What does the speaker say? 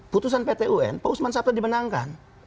putusan pt un pak usman sabta dimenangkan